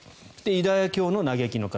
ユダヤ教の嘆きの壁